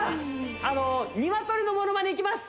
あのニワトリのものまねいきます！